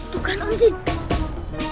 tuh kan om jin